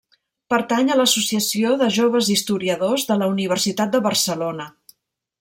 Pertany a l'Associació de Joves Historiadors de la Universitat de Barcelona.